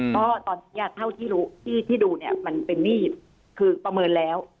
เพราะตอนนี้เท่าที่รู้ที่ดูเนี่ยมันเป็นหนี้คือประเมินแล้ว